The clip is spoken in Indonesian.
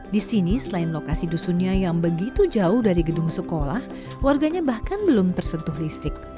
di sini selain lokasi dusunnya yang begitu jauh dari gedung sekolah warganya bahkan belum tersentuh listrik